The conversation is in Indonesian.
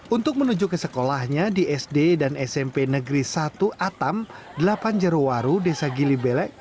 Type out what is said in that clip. untuk menuju ke sekolahnya di sd dan smp negeri satu atam delapan jerowaru desa gilibele